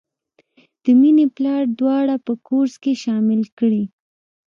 د مینې پلار دواړه په کورس کې شاملې کړې